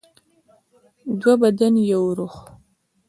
دوه بدن یو روح.